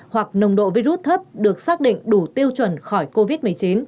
hoặc nồng độ virus thấp được xác định đủ tiêu chuẩn khỏi covid một mươi chín